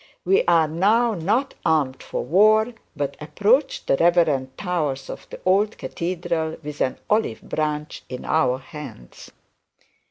We are now not armed for war, but approach the revered towers of the old cathedral with an olive branch in our hands.